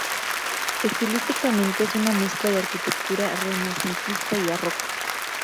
Estilísticamente, es una mezcla de arquitectura renacentista y barroca.